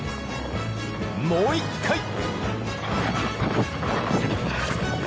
もう一回。